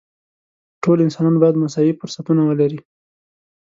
ټول انسانان باید مساوي فرصتونه ولري.